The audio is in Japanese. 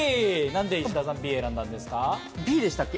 なんで石田さん、Ｂを選んだんですか？